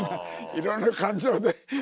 いろんな感情で開ける。